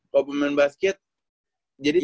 kalau pemain basket jadi